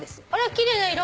奇麗な色！